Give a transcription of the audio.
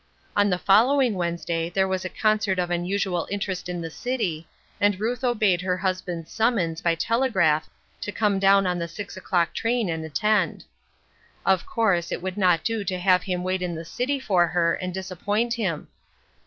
On the following Wednesday there was a concert of unusual interest in the city, and Ruth obeyed her husband's summons by telegraph to come down on the six o'clock train and attend. Of course it would not do to have him wait in the city for her and disapDoint him.